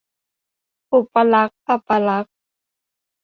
อุปลักษณ์-อัปลักษณ์